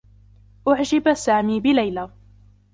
أُعجب سامي بليلى.